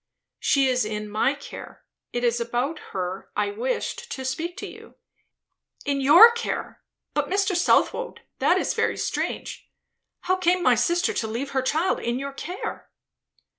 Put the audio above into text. "She is in my care. It is about her I wished to speak to you." "In your care! But Mr. Southwode, that is very strange! How came my sister to leave her child in your care?"